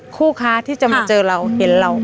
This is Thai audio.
คู่ค้าที่จะมาเจอเราเห็นเรา